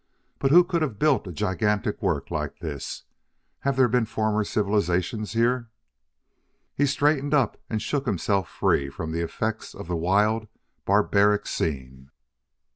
"But who could have built a gigantic work like this? Have there been former civilisations here?" He straightened up and shook himself free from the effects of the wild, barbaric scene.